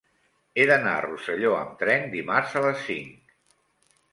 He d'anar a Rosselló amb tren dimarts a les cinc.